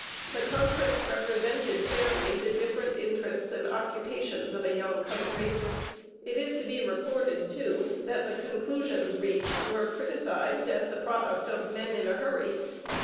The conference represented fairly the different interests and occupations of a young country. It is to be recorded, too, that the conclusions reached were criticized as the product of men in a hurry.